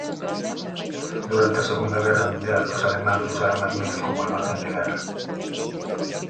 Durante a Segunda Guerra Mundial os alemáns usaron as minas como almacén de guerra.